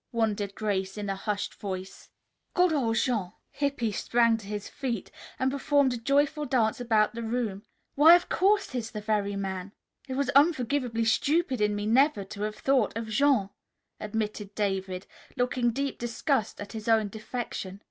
wondered Grace in a hushed voice. "Good old Jean!" Hippy sprang to his feet and performed a joyful dance about the room. "Why, of course he's the very man!" "It was unforgivably stupid in me never to have thought of Jean," admitted David, looking deep disgust at his own defection.